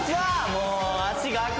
もう。